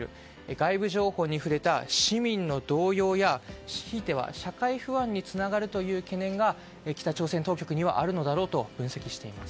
外部情報に触れた市民の動揺やひいては社会不安につながるという懸念が北朝鮮当局にはあるのだろうと分析しています。